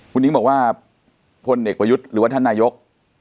คุณอิงบอกว่าพลเอกประยุทธ์หรือว่าท่านนายก